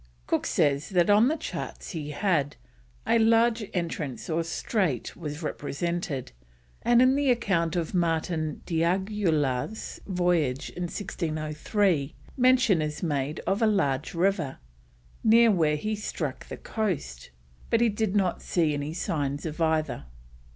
Cook says that on the charts he had, a large entrance or strait was represented, and in the account of Martin d'Aguilar's voyage in 1603 mention is made of a large river, near where he struck the coast, but he did not see any signs of either.